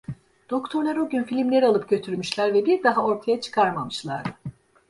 Doktorlar o gün filmleri alıp götürmüşler ve bir daha ortaya çıkarmamışlardı.